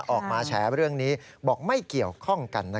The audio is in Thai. ออกมาแฉเรื่องนี้บอกไม่เกี่ยวข้องกันนะ